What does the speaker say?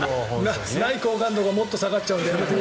ない好感度がもっと下がっちゃうので。